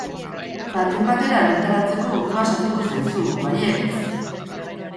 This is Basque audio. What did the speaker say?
Baten batera bertaratzeko gogoa sartuko zaizu, baietz!